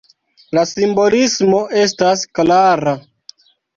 La simbolismo estas klara.